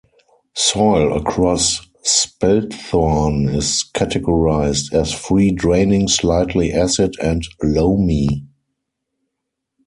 Soil across Spelthorne is categorised as "free draining slightly acid and loamy".